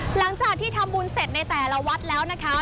หลังจากที่ทำบุญเสร็จในแต่ละวัดแล้วนะคะ